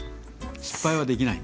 失敗はできないんです。